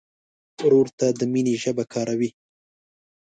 ورور ته د مینې ژبه کاروې.